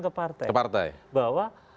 ke partai ke partai bahwa